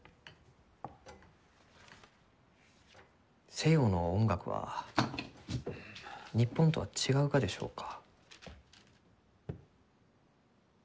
西洋の音楽は日本とは違うがでしょうか？